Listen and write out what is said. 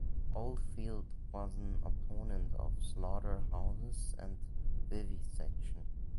Oldfield was an opponent of slaughterhouses and vivisection.